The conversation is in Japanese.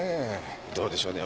どうでしょうね。